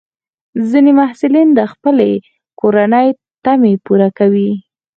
ځینې محصلین د خپلې کورنۍ تمې پوره کوي.